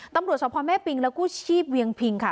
ตำรวจสภแม่ปิงและกู้ชีพเวียงพิงค่ะ